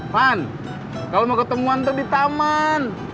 van kalau mau ketemuan tuh di taman